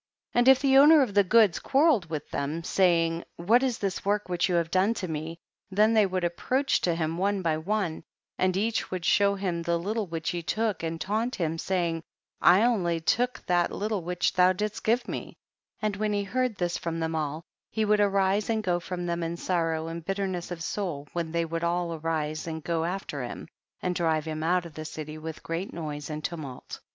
17. And if the owner of the goods quarreled with them, saying, what is this work which you have done to me, then they would approach to him one by one, and each would show him the little which he took and taunt hiin, saying, I only took that little which thou didst give me ; and when he heard this from them all, he would arise and go from them in sorrow and bitterness of soul, when they would all arise and go after him, and drive him out of the city with great noise and tumult.